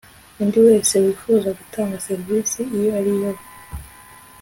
undi wese wifuza gutanga serivisi iyo ariyo